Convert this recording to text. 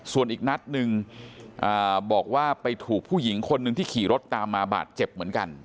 ส่วนอีกนัดหนึ่งบอกว่าไปถูกผู้หญิงคนหนึ่งที่ขี่รถตามมาบาดเจ็บเหมือนกัน